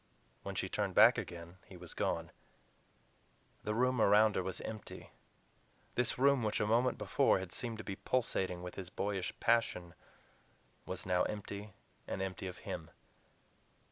When she turned back again he was gone. The room around her was empty; this room, which a moment before had seemed to be pulsating with his boyish passion, was now empty, and empty of HIM.